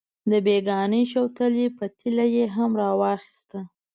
د بېګانۍ شوتلې پتیله یې هم راواخیسته.